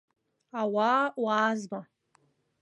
Ауаа уаазма!